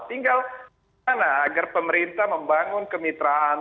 tinggal bagaimana agar pemerintah membangun kemitraan